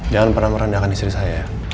jangan pernah merendahkan istri saya